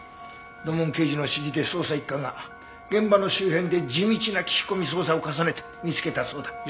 土門刑事の指示で捜査一課が現場の周辺で地道な聞き込み捜査を重ねて見つけたそうだ。